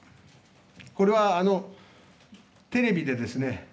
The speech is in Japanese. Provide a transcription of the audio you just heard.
これはテレビでですね